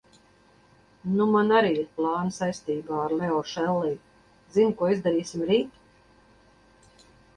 Nu man arī ir plāni saistībā ar Leo Šellij, zini ko izdarīsim rīt?